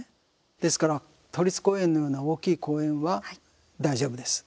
ですから、都立公園のような大きい公園は大丈夫です。